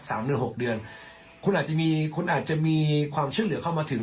หรือหกเดือนคุณอาจจะมีคุณอาจจะมีความช่วยเหลือเข้ามาถึง